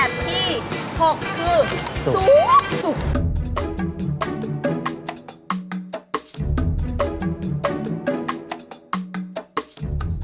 แบบที่๕ผ่านค่ะ